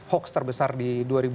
hoks terbesar di dua ribu sembilan belas